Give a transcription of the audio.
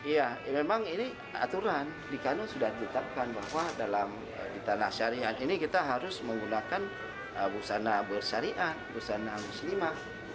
ya memang ini aturan di kanun sudah ditetapkan bahwa dalam di tanah syariah ini kita harus menggunakan busana bersyariat busana muslimah